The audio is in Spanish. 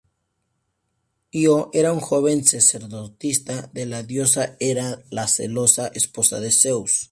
Ío era una joven sacerdotisa de la diosa Hera, la celosa esposa de Zeus.